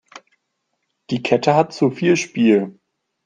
Die Kette hat zu viel Spiel.